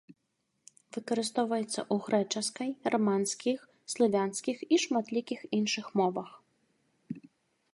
Выкарыстоўваецца ў грэчаскай, раманскіх, славянскіх і шматлікіх іншых мовах.